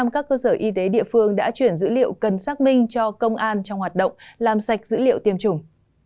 một trăm linh các cơ sở y tế địa phương đã chuyển dữ liệu cần xác minh cho công an trong hoạt động làm sạch dữ liệu tiêm chủng